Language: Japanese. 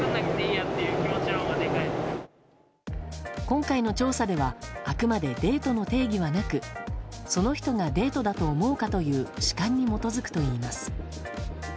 今回の調査ではあくまでデートの定義はなくその人がデートだと思うかという主観に基づくといいます。